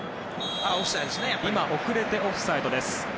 遅れてオフサイドです。